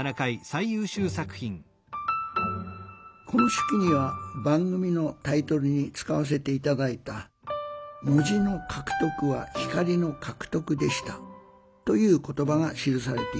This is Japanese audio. この手記には番組のタイトルに使わせて頂いた「文字の獲得は光の獲得でした」という言葉が記されています